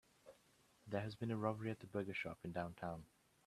There has been a robbery at the burger shop in downtown.